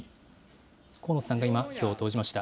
河野さんが今、票を投じました。